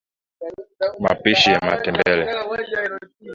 mapishi ya matembele